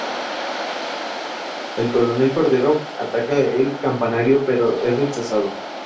El coronel Cordero ataca el campanario pero es rechazado.